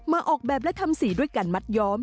ออกแบบและทำสีด้วยการมัดย้อม